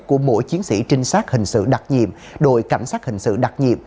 của mỗi chiến sĩ trinh sát hình sự đặc nhiệm đội cảnh sát hình sự đặc nhiệm